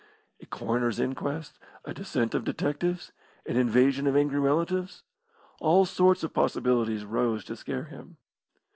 A coroner's inquest, a descent of detectives, an invasion of angry relatives all sorts of possibilities rose to scare him.